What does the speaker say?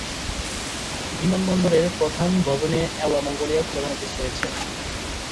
বিমানবন্দরের প্রধান ভবনে অ্যারো মঙ্গোলিয়ার প্রধান অফিস রয়েছে।